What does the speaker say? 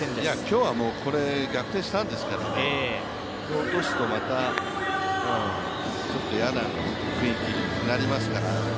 今日はもう、逆転したんですからこれ落とすとまたちょっと嫌な雰囲気になりますから。